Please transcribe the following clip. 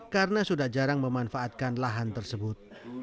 karena sudah jarang memanfaatkan lahan tersebut